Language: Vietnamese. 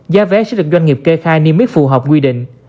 gia vé sẽ được doanh nghiệp kê khai niêm mức phù hợp quy định